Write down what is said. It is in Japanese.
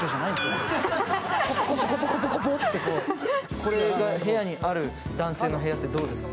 これが部屋にある男性の部屋ってどうですか？